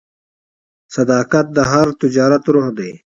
صداقت د هر تجارت روح دی.